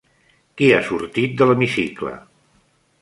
Qui ha sortit de l'hemicicle?